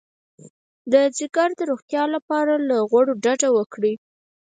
د ځیګر د روغتیا لپاره له غوړو ډډه وکړئ